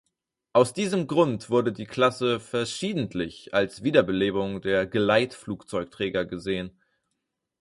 Aus diesem Grund wurde die Klasse verschiedentlich als Wiederbelebung der Geleitflugzeugträger gesehen.